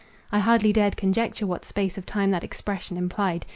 I hardly dared conjecture what space of time that expression implied.